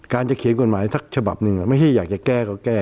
จะเขียนกฎหมายสักฉบับหนึ่งไม่ใช่อยากจะแก้ก็แก้